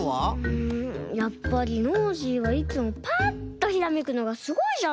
うんやっぱりノージーはいつもパッとひらめくのがすごいじゃないですか。